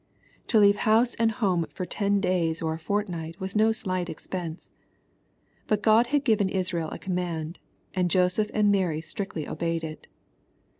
To leave Louse and homo for ten days or a fortnight was no slight expense. But God had given Israel a command, and Joseph and Mary strictly obeyed it.